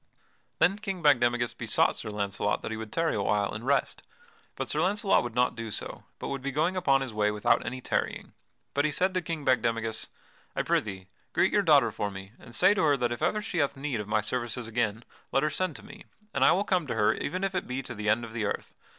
Then King Bagdemagus besought Sir Launcelot that he would tarry awhile and rest, but Sir Launcelot would not do so, but would be going upon his way without any tarrying. But he said to King Bagdemagus: "I prithee greet your daughter for me, and say to her that if ever she hath need of my services again let her send to me, and I will come to her even if it be to the end of the earth.